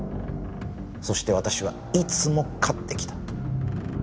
そして私はいつも勝ってきた。